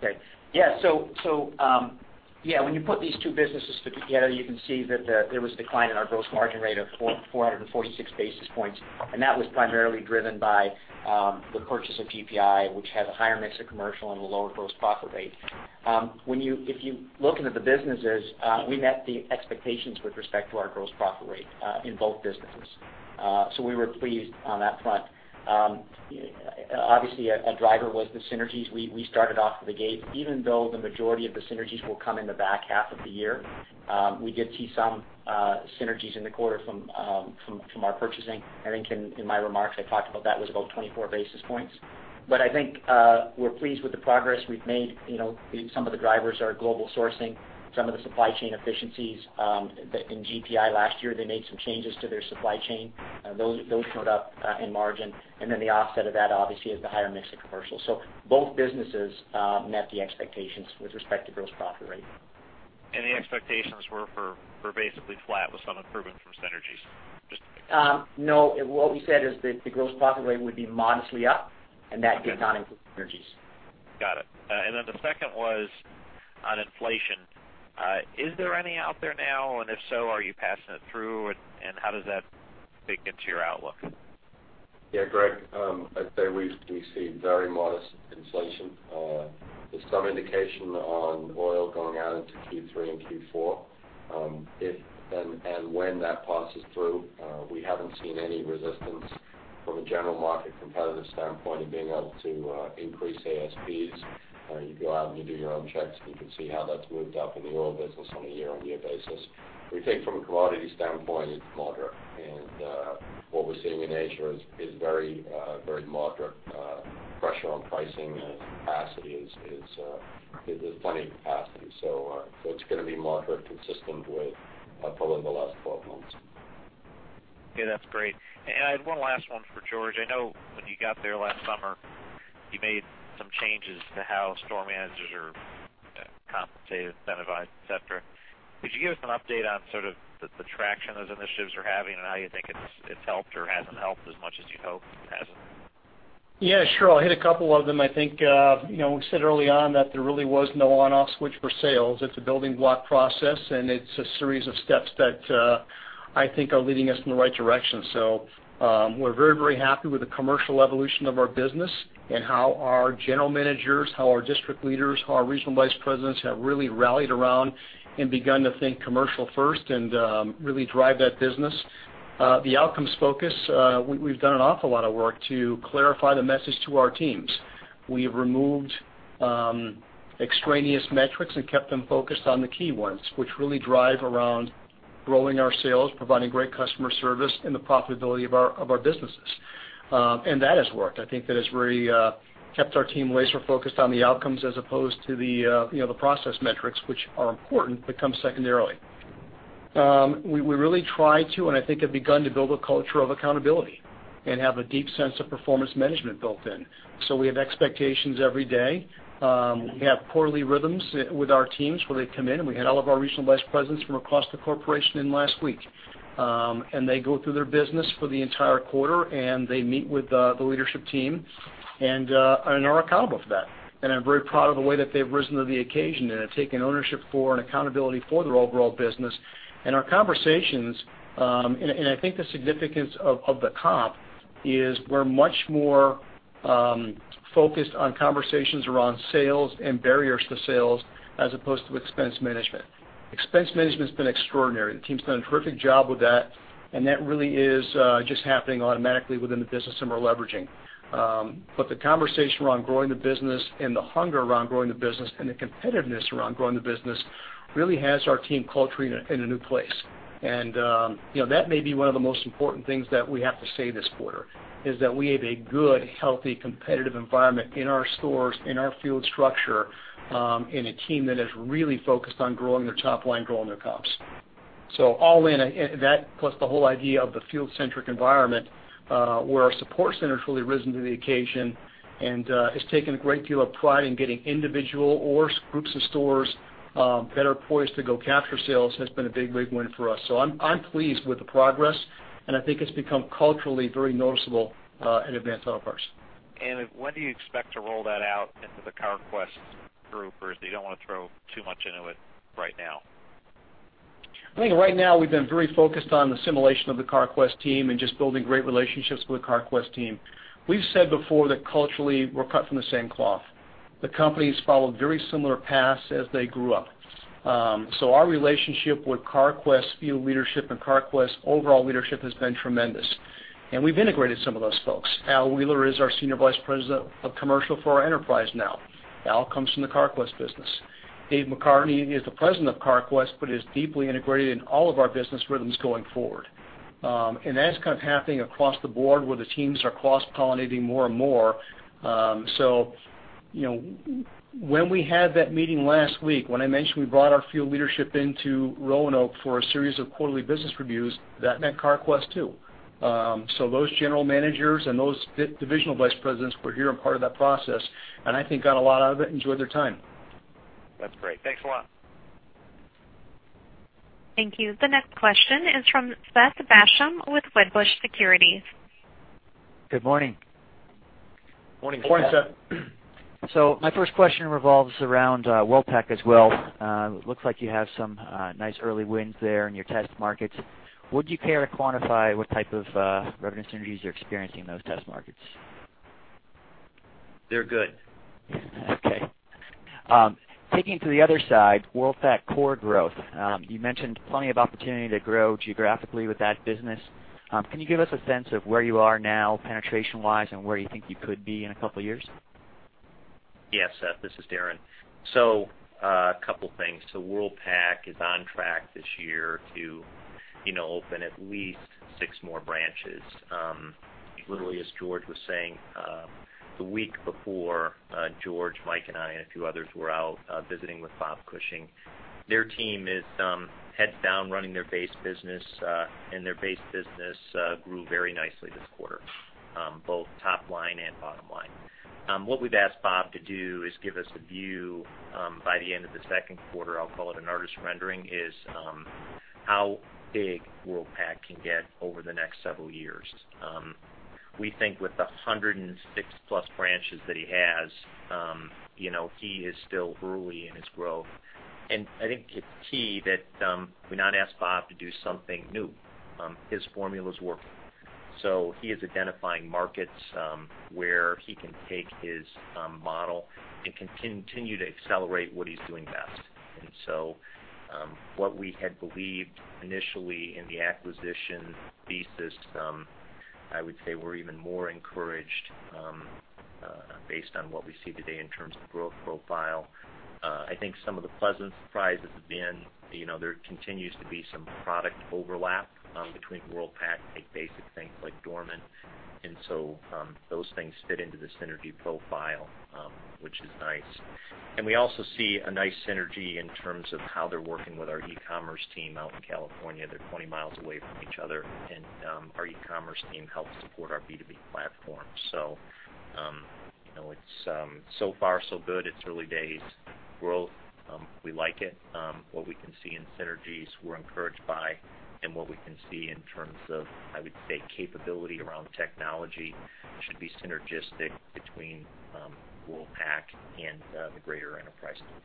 Correct. Yeah. Great. When you put these two businesses together, you can see that there was a decline in our gross margin rate of 446 basis points, and that was primarily driven by the purchase of GPI, which has a higher mix of commercial and a lower gross profit rate. If you look into the businesses, we met the expectations with respect to our gross profit rate in both businesses. We were pleased on that front. Obviously, a driver was the synergies we started off the gate, even though the majority of the synergies will come in the back half of the year. We did see some synergies in the quarter from our purchasing. I think in my remarks, I talked about that was about 24 basis points. I think we're pleased with the progress we've made. Some of the drivers are global sourcing, some of the supply chain efficiencies. In GPI last year, they made some changes to their supply chain. Those showed up in margin. The offset of that, obviously, is the higher mix of commercial. Both businesses met the expectations with respect to gross profit rate. The expectations were for basically flat with some improvement from synergies. Just to make sure. No. What we said is that the gross profit rate would be modestly up, that did not include synergies. Got it. The second was on inflation. Is there any out there now? If so, are you passing it through? How does that figure into your outlook? Yeah, Greg. I'd say we see very modest inflation. There's some indication on oil going out into Q3 and Q4. If and when that passes through, we haven't seen any resistance from a general market competitive standpoint of being able to increase ASPs. You go out and you do your own checks, and you can see how that's moved up in the oil business on a year-on-year basis. We think from a commodity standpoint, it's moderate. What we're seeing in Asia is very moderate pressure on pricing as capacity is plenty capacity. It's going to be moderate, consistent with probably the last 12 months. Okay, that's great. I had one last one for George. I know when you got there last summer, you made some changes to how store managers are compensated, incentivized, et cetera. Could you give us an update on sort of the traction those initiatives are having and how you think it's helped or hasn't helped as much as you'd hoped it has? Yeah, sure. I'll hit a couple of them. I think we said early on that there really was no on/off switch for sales. It's a building block process, it's a series of steps that I think are leading us in the right direction. We're very, very happy with the commercial evolution of our business how our general managers, how our district leaders, how our regional vice presidents have really rallied around begun to think commercial first really drive that business. The outcomes focus, we've done an awful lot of work to clarify the message to our teams. We have removed extraneous metrics and kept them focused on the key ones, which really drive around growing our sales, providing great customer service, the profitability of our businesses. That has worked. I think that has really kept our team laser-focused on the outcomes as opposed to the process metrics, which are important but come secondarily. We really try to, and I think have begun to build a culture of accountability and have a deep sense of performance management built in. We have expectations every day. We have quarterly rhythms with our teams where they come in, and we had all of our regional vice presidents from across the corporation in last week. They go through their business for the entire quarter, and they meet with the leadership team and are accountable for that. I'm very proud of the way that they've risen to the occasion and have taken ownership for and accountability for their overall business. Our conversations, and I think the significance of the comp is we're much more focused on conversations around sales and barriers to sales as opposed to expense management. Expense management's been extraordinary. The team's done a terrific job with that, and that really is just happening automatically within the business and we're leveraging. The conversation around growing the business and the hunger around growing the business and the competitiveness around growing the business really has our team culturing in a new place. That may be one of the most important things that we have to say this quarter, is that we have a good, healthy, competitive environment in our stores, in our field structure, and a team that is really focused on growing their top line, growing their comps. All in, that plus the whole idea of the field-centric environment, where our support center has really risen to the occasion and has taken a great deal of pride in getting individual or groups of stores that are poised to go capture sales has been a big, big win for us. I'm pleased with the progress, and I think it's become culturally very noticeable at Advance Auto Parts. When do you expect to roll that out into the Carquest group, or do you don't want to throw too much into it right now? I think right now we've been very focused on the assimilation of the Carquest team and just building great relationships with the Carquest team. We've said before that culturally, we're cut from the same cloth. The companies followed very similar paths as they grew up. Our relationship with Carquest field leadership and Carquest overall leadership has been tremendous, and we've integrated some of those folks. Al Wheeler is our Senior Vice President of Commercial for our enterprise now. Al comes from the Carquest business. Dave McCartney is the President of Carquest, but is deeply integrated in all of our business rhythms going forward. That's kind of happening across the board, where the teams are cross-pollinating more and more. When we had that meeting last week, when I mentioned we brought our field leadership into Roanoke for a series of quarterly business reviews, that meant Carquest, too. Those general managers and those divisional vice presidents were here and part of that process and I think got a lot out of it, enjoyed their time. That's great. Thanks a lot. Thank you. The next question is from Seth Basham with Wedbush Securities. Good morning. Morning, Seth. Morning. My first question revolves around Worldpac as well. Looks like you have some nice early wins there in your test markets. Would you care to quantify what type of revenue synergies you're experiencing in those test markets? They're good. Okay. Taking to the other side, Worldpac core growth. You mentioned plenty of opportunity to grow geographically with that business. Can you give us a sense of where you are now, penetration-wise, and where you think you could be in a couple of years? Yes, Seth, this is Darren. A couple of things. Worldpac is on track this year to open at least six more branches. Literally, as George was saying, the week before George, Mike and I and a few others were out visiting with Bob Cushing. Their team is heads down running their base business, and their base business grew very nicely this quarter, both top line and bottom line. What we've asked Bob to do is give us a view by the end of the second quarter, I'll call it an artist's rendering, is how big Worldpac can get over the next several years. We think with the 106-plus branches that he has, he is still early in his growth. I think it's key that we not ask Bob to do something new. His formula is working, so he is identifying markets where he can take his model and continue to accelerate what he's doing best. What we had believed initially in the acquisition thesis, I would say we're even more encouraged based on what we see today in terms of growth profile. I think some of the pleasant surprises have been, there continues to be some product overlap between Worldpac and take basic things like Dorman, and so those things fit into the synergy profile, which is nice. We also see a nice synergy in terms of how they're working with our e-commerce team out in California. They're 20 miles away from each other, and our e-commerce team helps support our B2B platform. It's so far so good. It's early days growth. We like it. What we can see in synergies we're encouraged by, and what we can see in terms of, I would say, capability around technology should be synergistic between Worldpac and the greater enterprise group.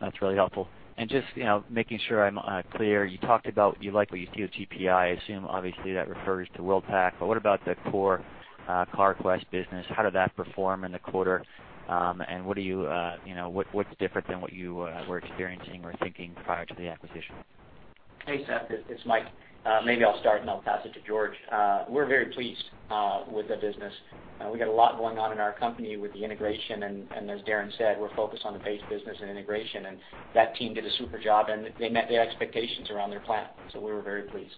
That's really helpful. Just making sure I'm clear, you talked about you like what you see with GPI. I assume obviously that refers to Worldpac, but what about the core Carquest business? How did that perform in the quarter? What's different than what you were experiencing or thinking prior to the acquisition? Hey, Seth, it's Mike. Maybe I'll start and I'll pass it to George. We're very pleased with the business. We got a lot going on in our company with the integration, and as Darren said, we're focused on the base business and integration, and that team did a super job, and they met the expectations around their plan. We were very pleased.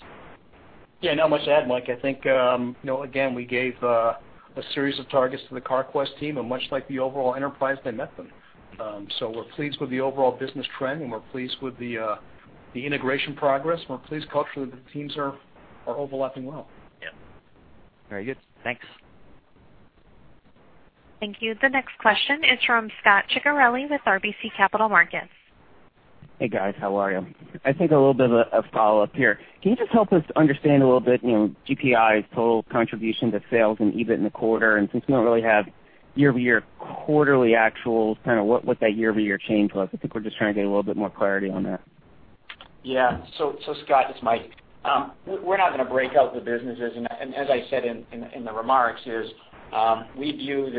Yeah. Not much to add, Mike. I think, again, we gave a series of targets to the Carquest team, and much like the overall enterprise, they met them. We're pleased with the overall business trend, and we're pleased with the integration progress. We're pleased culturally that the teams are overlapping well. Yeah. Very good. Thanks. Thank you. The next question is from Scot Ciccarelli with RBC Capital Markets. Hey, guys. How are you? I think a little bit of a follow-up here. Can you just help us understand a little bit, GPI's total contribution to sales and EBIT in the quarter? Since we don't really have year-over-year quarterly actuals, kind of what that year-over-year change was. I think we're just trying to get a little bit more clarity on that. Scott, it's Mike. We're not going to break out the businesses. As I said in the remarks, we view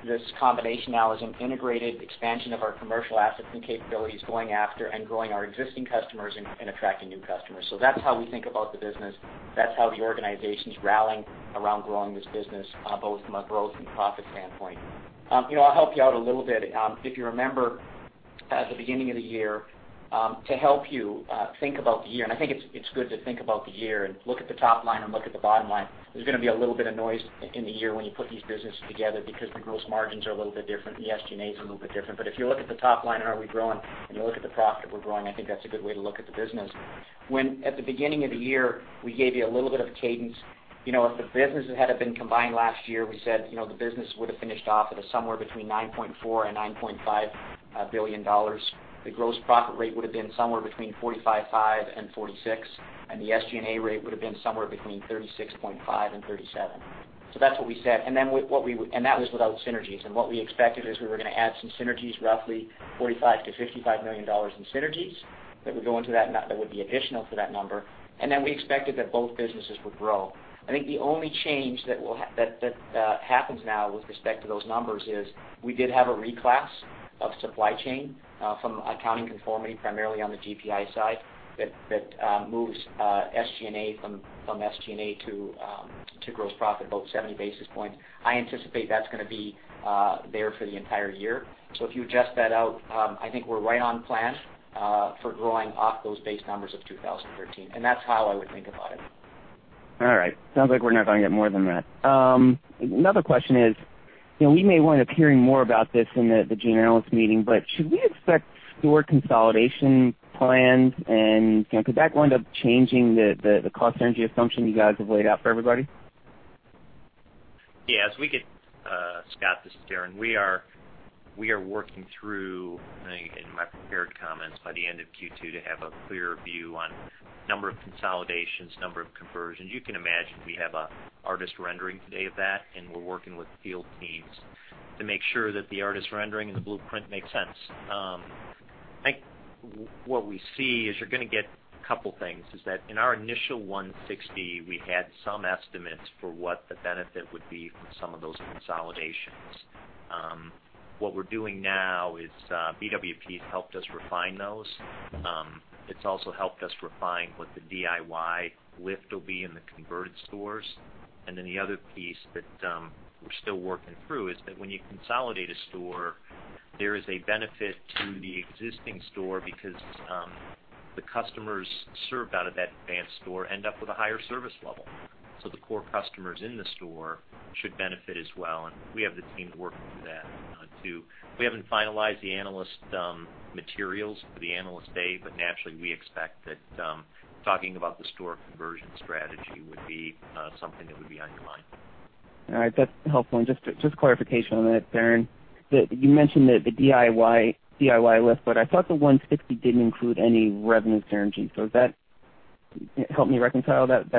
this combination now as an integrated expansion of our commercial assets and capabilities going after and growing our existing customers and attracting new customers. That's how we think about the business. That's how the organization's rallying around growing this business, both from a growth and profit standpoint. I'll help you out a little bit. If you remember at the beginning of the year, to help you think about the year, and I think it's good to think about the year and look at the top line and look at the bottom line. There's going to be a little bit of noise in the year when you put these businesses together because the gross margins are a little bit different, the SG&A is a little bit different. If you look at the top line and are we growing and you look at the profit we're growing, I think that's a good way to look at the business. When at the beginning of the year, we gave you a little bit of a cadence. If the businesses had have been combined last year, we said the business would have finished off at somewhere between $9.4 billion-$9.5 billion. The gross profit rate would have been somewhere between 45.5%-46%, and the SG&A rate would have been somewhere between 36.5%-37%. That's what we said. That was without synergies. What we expected is we were going to add some synergies, roughly $45 million-$55 million in synergies that would be additional for that number. Then we expected that both businesses would grow. I think the only change that happens now with respect to those numbers is we did have a reclass of supply chain from accounting conformity, primarily on the GPI side, that moves SG&A from SG&A to gross profit, about 70 basis points. I anticipate that's going to be there for the entire year. If you adjust that out, I think we're right on plan for growing off those base numbers of 2013, that's how I would think about it. All right. Sounds like we're not going to get more than that. Another question is, we may wind up hearing more about this in the generalist meeting, should we expect store consolidation plans, could that wind up changing the cost synergy assumption you guys have laid out for everybody? Yes. Scot, this is Darren. We are working through, I think in my prepared comments, by the end of Q2 to have a clearer view on number of consolidations, number of conversions. You can imagine we have an artist rendering today of that, we're working with field teams to make sure that the artist rendering and the blueprint makes sense. I think what we see is you're going to get a couple things, is that in our initial 160, we had some estimates for what the benefit would be from some of those consolidations. What we're doing now is, BWP has helped us refine those. It's also helped us refine what the DIY lift will be in the converted stores. The other piece that we're still working through is that when you consolidate a store, there is a benefit to the existing store because the customers served out of that Advance store end up with a higher service level. The core customers in the store should benefit as well. We have the team working through that, too. We haven't finalized the analyst materials for the Analyst Day, naturally, we expect that talking about the store conversion strategy would be something that would be on your mind. All right. That's helpful. Just clarification on that, Darren. You mentioned the DIY lift, I thought the 160 didn't include any revenue synergies. Help me reconcile that,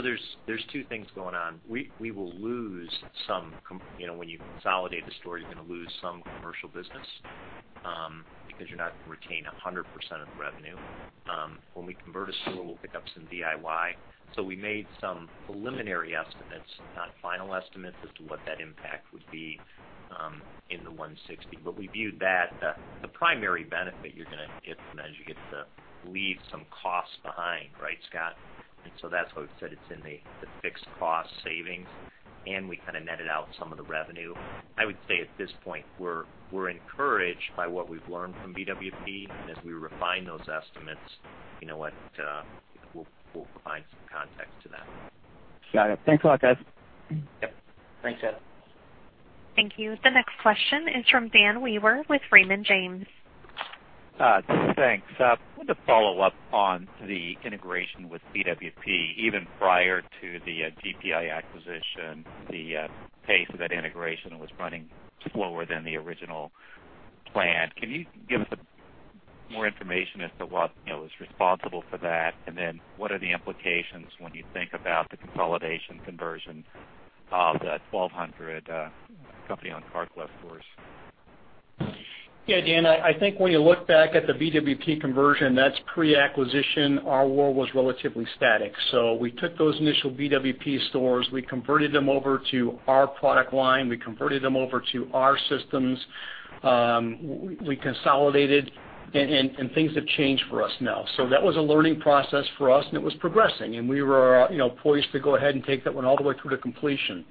those two. Yeah. There's two things going on. When you consolidate the store, you're going to lose some commercial business because you're not going to retain 100% of the revenue. When we convert a store, we'll pick up some DIY. We made some preliminary estimates, not final estimates, as to what that impact would be in the 160. We viewed that the primary benefit you're going to get from that is you get to leave some costs behind. Right, Scott? That's why we said it's in the fixed cost savings. We kind of netted out some of the revenue. I would say at this point, we're encouraged by what we've learned from BWP. As we refine those estimates, you know what, we'll provide some context to that. Got it. Thanks a lot, guys. Yep. Thanks, Scot. Thank you. The next question is from Dan Wewer with Raymond James. Thanks. I wanted to follow up on the integration with BWP. Even prior to the GPI acquisition, the pace of that integration was running slower than the original plan. Can you give us a bit more information as to what was responsible for that? Then what are the implications when you think about the consolidation conversion of the 1,200 company-owned Carquest stores? Yeah, Dan, I think when you look back at the BWP conversion, that's pre-acquisition. Our world was relatively static. We took those initial BWP stores, we converted them over to our product line, we converted them over to our systems, we consolidated, and things have changed for us now. That was a learning process for us, and it was progressing, and we were poised to go ahead and take that one all the way through to completion.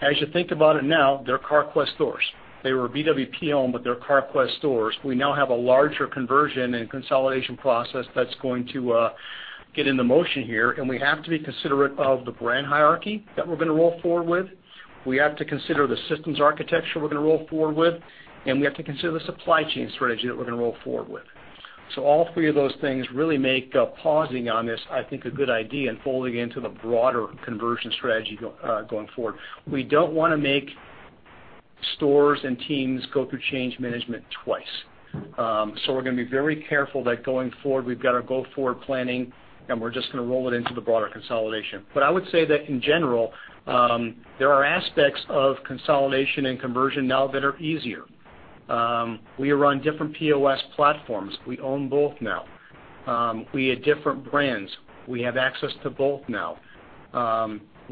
As you think about it now, they're Carquest stores. They were BWP-owned, but they're Carquest stores. We now have a larger conversion and consolidation process that's going to get into motion here, and we have to be considerate of the brand hierarchy that we're going to roll forward with. We have to consider the systems architecture we're going to roll forward with, and we have to consider the supply chain strategy that we're going to roll forward with. All three of those things really make pausing on this, I think, a good idea and folding into the broader conversion strategy going forward. We don't want to make stores and teams go through change management twice. We're going to be very careful that going forward, we've got our go-forward planning, and we're just going to roll it into the broader consolidation. I would say that in general, there are aspects of consolidation and conversion now that are easier. We run different POS platforms. We own both now. We had different brands. We have access to both now.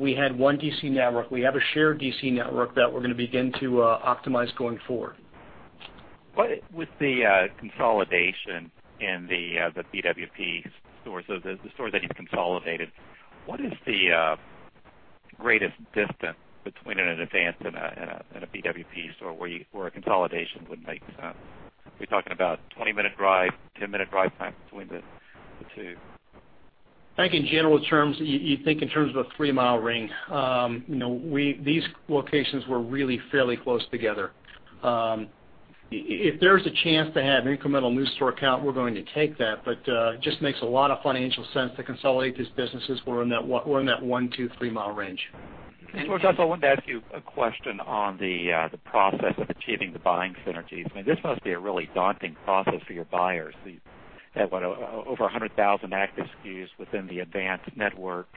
We had one DC network. We have a shared DC network that we're going to begin to optimize going forward. With the consolidation and the BWP stores, the stores that you've consolidated, what is the greatest distance between an Advance and a BWP store where a consolidation would make sense? Are we talking about 20-minute drive, 10-minute drive time between the two? I think in general terms, you think in terms of a three-mile ring. These locations were really fairly close together. If there's a chance to have an incremental new store count, we're going to take that. It just makes a lot of financial sense to consolidate these businesses who are in that one, two, three-mile range. George, I wanted to ask you a question on the process of achieving the buying synergies. This must be a really daunting process for your buyers. You have, what, over 100,000 active SKUs within the Advance network.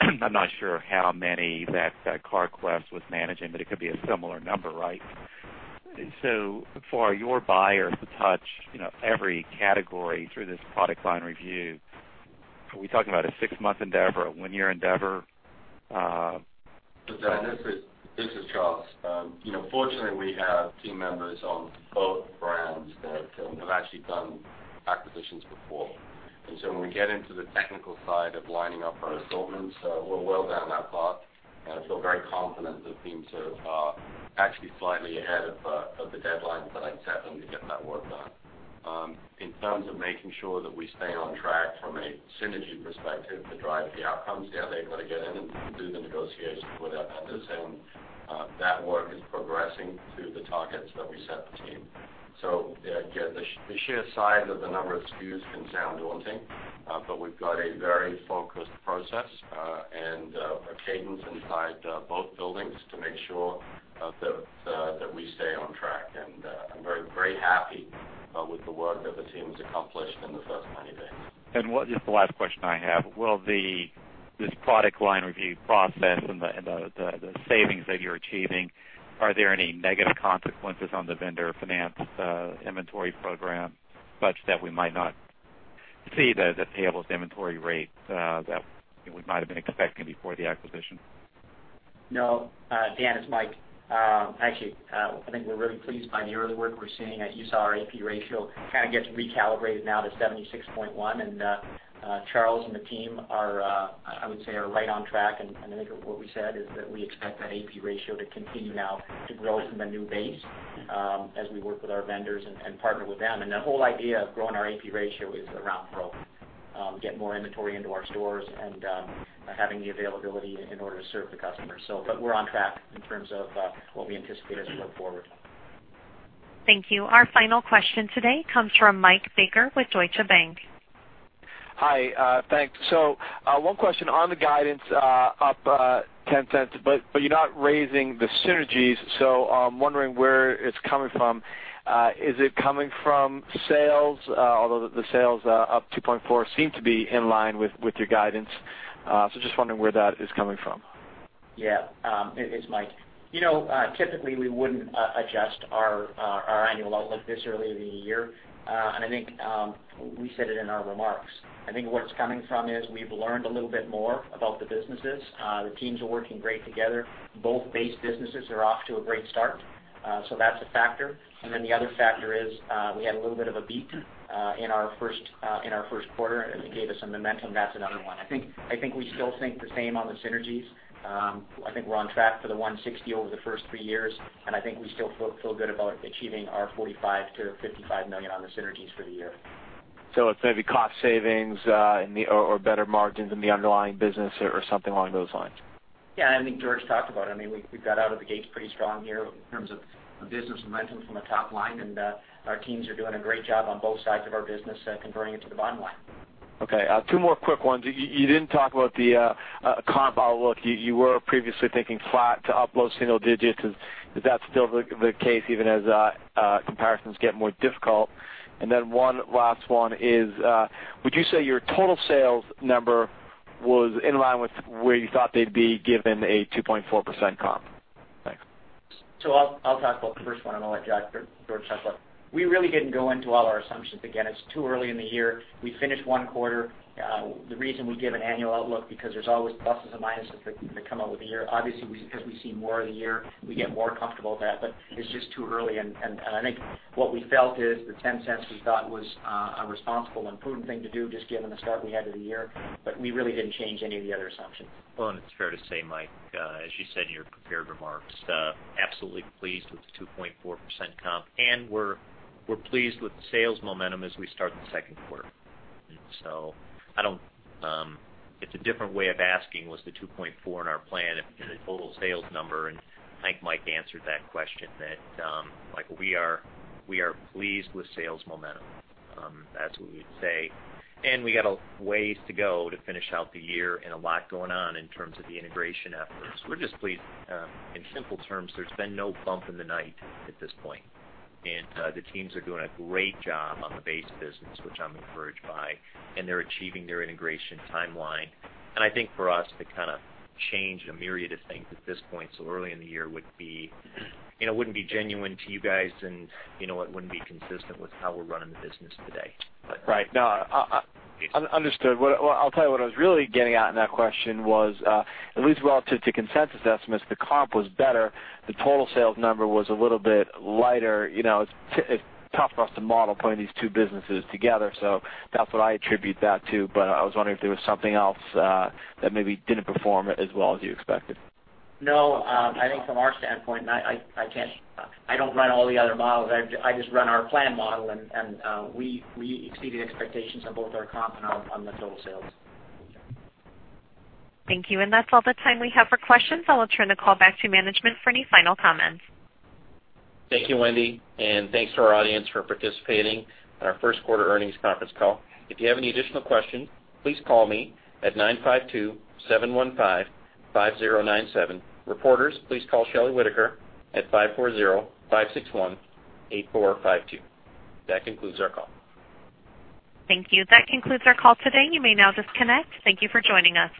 I'm not sure how many that Carquest was managing, it could be a similar number, right? For your buyers to touch every category through this product line review, are we talking about a six-month endeavor, a one-year endeavor? Dan, this is Charles. Fortunately, we have team members on both brands that have actually done acquisitions before. When we get into the technical side of lining up our assortments, we're well down that path. I feel very confident the team is actually slightly ahead of the deadlines that I'd set them to get that work done. In terms of making sure that we stay on track from a synergy perspective to drive the outcomes, yeah, they've got to get in and do the negotiations with our vendors. That work is progressing to the targets that we set the team. Yeah, again, the sheer size of the number of SKUs can sound daunting. We've got a very focused process and a cadence inside both buildings to make sure that we stay on track. I'm very happy with the work that the team has accomplished in the first 90 days. Just the last question I have, will this product line review process and the savings that you're achieving, are there any negative consequences on the vendor finance inventory program, such that we might not see the payables inventory rate that we might have been expecting before the acquisition? No. Dan, it's Mike. Actually, I think we're very pleased by the early work we're seeing. You saw our AP ratio gets recalibrated now to 76.1, and Charles and the team, I would say, are right on track. I think what we said is that we expect that AP ratio to continue now to grow from a new base as we work with our vendors and partner with them. The whole idea of growing our AP ratio is around growth. Get more inventory into our stores and having the availability in order to serve the customers. We're on track in terms of what we anticipate as we look forward. Thank you. Our final question today comes from Michael Baker with Deutsche Bank. Hi. Thanks. One question on the guidance up $0.10, you're not raising the synergies, I'm wondering where it's coming from. Is it coming from sales? Although the sales up 2.4% seem to be in line with your guidance. Just wondering where that is coming from. Yeah. It's Mike. Typically, we wouldn't adjust our annual outlook this early in the year. I think we said it in our remarks. I think where it's coming from is we've learned a little bit more about the businesses. The teams are working great together. Both base businesses are off to a great start. That's a factor. Then the other factor is we had a little bit of a beat in our first quarter, and it gave us some momentum. That's another one. I think we still think the same on the synergies. I think we're on track for the $160 million over the first three years, I think we still feel good about achieving our $45 million-$55 million on the synergies for the year. It's maybe cost savings or better margins in the underlying business or something along those lines. I think George talked about it. We got out of the gates pretty strong here in terms of business momentum from a top line, our teams are doing a great job on both sides of our business converting it to the bottom line. Two more quick ones. You didn't talk about the comp outlook. You were previously thinking flat to up low single digits. Is that still the case even as comparisons get more difficult? One last one is, would you say your total sales number was in line with where you thought they'd be given a 2.4% comp? Thanks. I'll talk about the first one. We really didn't go into all our assumptions. Again, it's too early in the year. We finished one quarter. The reason we give an annual outlook, because there's always pluses and minuses that come out with the year. Obviously, as we see more of the year, we get more comfortable with that, but it's just too early. I think what we felt is the $0.10 we thought was a responsible and prudent thing to do, just given the start we had to the year, but we really didn't change any of the other assumptions. It's fair to say, Mike, as you said in your prepared remarks, absolutely pleased with the 2.4% comp, and we're pleased with the sales momentum as we start the second quarter. It's a different way of asking was the 2.4% in our plan the total sales number, and I think Mike answered that question, that, Mike, we are pleased with sales momentum. That's what we would say. We got a ways to go to finish out the year and a lot going on in terms of the integration efforts. We're just pleased. In simple terms, there's been no bump in the night at this point, and the teams are doing a great job on the base business, which I'm encouraged by, and they're achieving their integration timeline. I think for us to change a myriad of things at this point so early in the year wouldn't be genuine to you guys, and it wouldn't be consistent with how we're running the business today. Right. No. Understood. I'll tell you what I was really getting at in that question was, at least relative to consensus estimates, the comp was better. The total sales number was a little bit lighter. It's tough for us to model putting these two businesses together. That's what I attribute that to, but I was wondering if there was something else that maybe didn't perform as well as you expected. No. I think from our standpoint, I don't run all the other models. I just run our plan model, and we exceeded expectations on both our comp and on the total sales. Thank you. That's all the time we have for questions. I'll turn the call back to management for any final comments. Thank you, Wendy, and thanks to our audience for participating in our first quarter earnings conference call. If you have any additional questions, please call me at 952-715-5097. Reporters, please call Shelley Whitaker at 540-561-8452. That concludes our call. Thank you. That concludes our call today. You may now disconnect. Thank you for joining us.